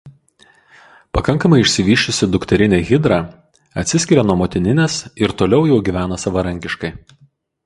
Pakankamai išsivysčiusi dukterinė hidra atsiskiria nuo motininės ir toliau jau gyvena savarankiškai.